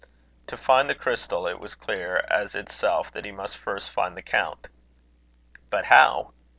To find the crystal, it was clear as itself that he must first find the count. But how?